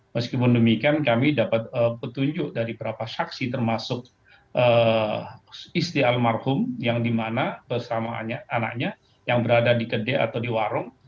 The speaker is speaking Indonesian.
meskipun demikian kami dapat petunjuk dari beberapa saksi termasuk istri almarhum yang dimana bersama anaknya yang berada di kedai atau di warung